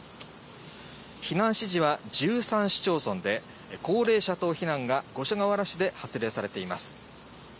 避難指示は１３市町村で、高齢者等避難が五所川原市で発令されています。